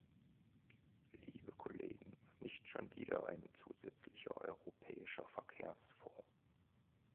Liebe Kollegen, nicht schon wieder ein zusätzlicher europäischer Verkehrsfonds!